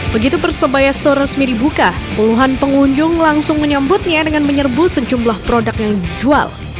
begitu persebaya store resmi dibuka puluhan pengunjung langsung menyambutnya dengan menyerbu sejumlah produk yang dijual